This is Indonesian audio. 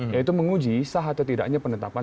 yaitu menguji sah atau tidaknya penetapan